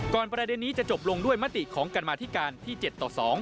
ประเด็นนี้จะจบลงด้วยมติของกรรมาธิการที่๗ต่อ๒